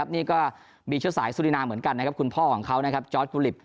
นี่ก็มีเชื้อสายสุรินาเหมือนกันนะครับคุณพ่อของเขานะครับจอร์ดกุลิป